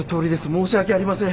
申し訳ありません。